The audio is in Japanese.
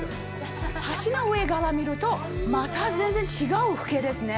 橋の上から見ると、また全然違う風景ですね。